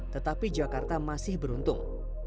tetapi jakarta masih beruntung